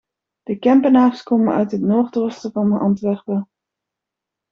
De Kempenaars komen uit het noordoosten van Antwerpen.